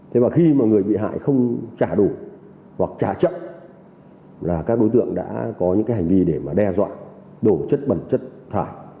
thế mà khi mà người bị hại không trả đủ hoặc trả chậm là các đối tượng đã có những cái hành vi để mà đe dọa đổ chất bẩn chất thải